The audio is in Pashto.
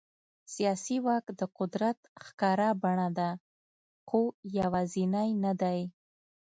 سیاسي واک د قدرت ښکاره بڼه ده، خو یوازینی نه دی.